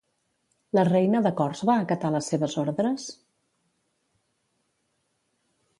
La Reina de Cors va acatar les seves ordres?